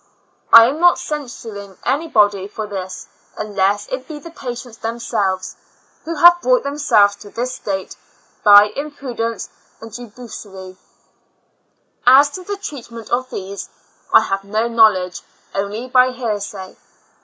I am not censuring anybody for this, unless it be the patients themselves, who have brought themselves to this state by imprudence and debauchery. As to the treatment of these, I have no knowledge, only by hearsay.